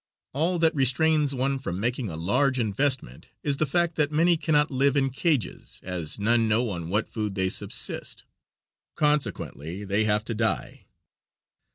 All that restrains one from making a large investment is the fact that many cannot live in cages, as none know on what food they subsist, consequently they have to die.